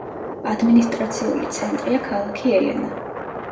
ადმინისტრაციული ცენტრია ქალაქი ელენა.